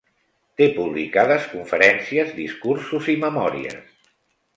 Té publicades conferències, discursos i memòries.